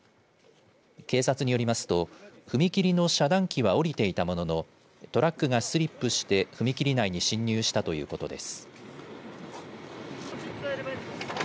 警察によりますと踏切の遮断機は下りていたもののトラックがスリップして踏切内に侵入したということです。